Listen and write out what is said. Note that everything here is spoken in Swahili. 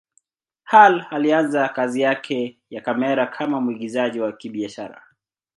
Hall alianza kazi yake ya kamera kama mwigizaji wa kibiashara.